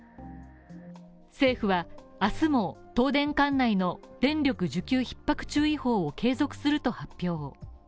政府は明日も東電管内の電力需給ひっ迫注意報を継続すると発表。